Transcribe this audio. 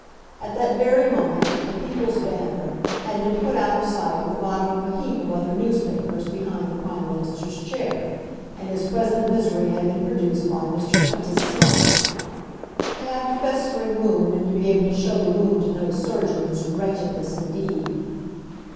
At that very moment the "People's Banner" had been put out of sight at the bottom of a heap of other newspapers behind the Prime Minister's chair, and his present misery had been produced by Mr. Quintus Slide. To have a festering wound and to be able to show the wound to no surgeon, is wretchedness indeed!